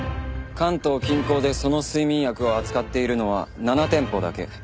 関東近郊でその睡眠薬を扱っているのは７店舗だけ。